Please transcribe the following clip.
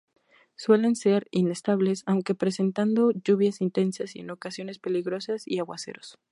Suelen ser inestables, aunque presentando lluvias intensas y en ocasiones peligrosas y aguaceros.